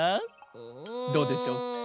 どうでしょうか？